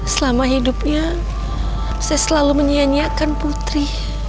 selama hidupnya saya selalu menyianyiakan putri